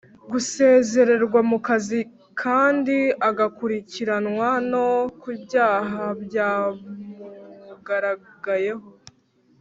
gusezererwa mu kazi kandi agakurikiranwa no ku byaha byamugaragayeho